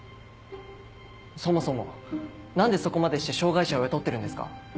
そもそも何でそこまでして障がい者を雇ってるんですか？